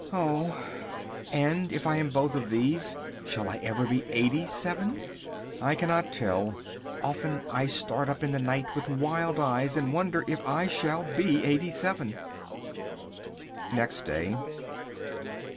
Oh! And if I am both of these, shall I ever be eighty seven? I cannot tell. Often I start up in the night with wild eyes and wonder if I shall be eighty seven. Next Day.